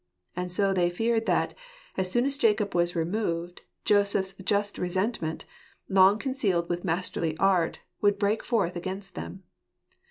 And so they feared that, as soon as Jacob was removed, Joseph's just resentment, long concealed with masterly art, would break forth against them.